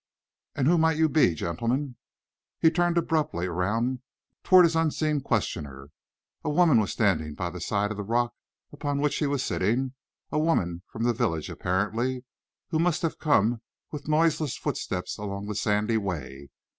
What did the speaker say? "And who might you be, gentleman?" He turned abruptly around towards his unseen questioner. A woman was standing by the side of the rock upon which he was sitting, a woman from the village, apparently, who must have come with noiseless footsteps along the sandy way.